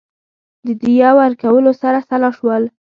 د دیه ورکولو سره سلا شول.